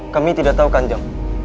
kami tidak tahu kanjeng